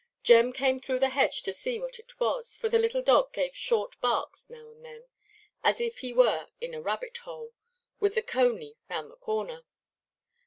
Jem came through the hedge to see what it was, for the little dog gave short barks now and then, as if he were in a rabbit–hole, with the coney round the corner.